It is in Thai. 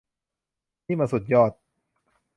นี่มันสุดยอด !